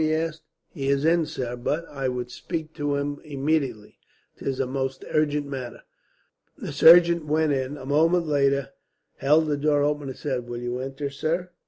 he asked. "He is in, sir, but " "I would speak to him immediately. 'Tis a most urgent matter." The servant went in, a moment later held the door open, and said: "Will you enter, sir?"